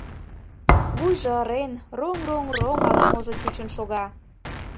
Вуйжо ырен, роҥ-роҥ-роҥ ала-можо чучын шога.